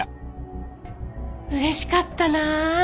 うれしかったなぁ！